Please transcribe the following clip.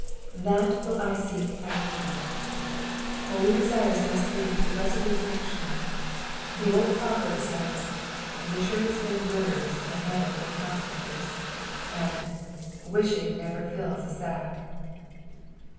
" ITiat mil I leek after." Hoi; desires must lead to resolute action. The old proverb says, " Wishers and woulders are never good housekeepers,*' and " wishing never fills a sack."